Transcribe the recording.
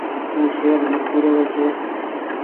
او شهر ميرپور رو ڇي۔